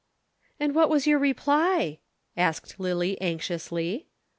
_] "And what was your reply?" said Lillie anxiously.